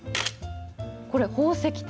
これ、宝石店。